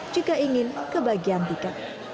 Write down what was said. jika ingin ke bagian tiket